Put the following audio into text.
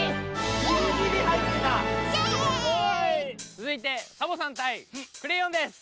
つづいてサボ子さんたいクレヨンです！